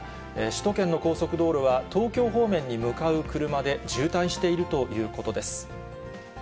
首都圏の高速道路は、東京方面に向かう車で渋滞しているということです。